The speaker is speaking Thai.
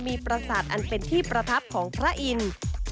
มีประสาทอันเป็นที่ประทับของพระอินทร์